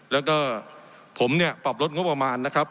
แล้วก็ผมเนี่ยปรับลดงบประมาณนะครับ